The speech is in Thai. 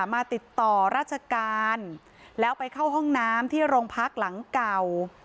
มาติดต่อราชการแล้วไปเข้าห้องน้ำที่โรงพักหลังเก่า